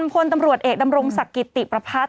พลตำรวจเอกดำรงศักดิ์กิติประพัทธ